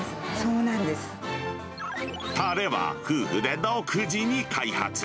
たれは夫婦で独自に開発。